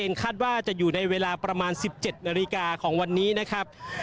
คาดว่าจะอยู่ในเวลาประมาณ๑๗นาฬิกาของวันนี้นะครับ